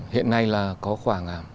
hiện nay là có khoảng